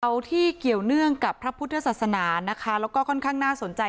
เอาที่เกี่ยวเนื่องกับพระพุทธศาสนานะคะแล้วก็ค่อนข้างน่าสนใจ